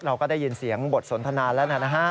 เราก็ได้ยินเสียงบทสนทนาแล้วนะฮะ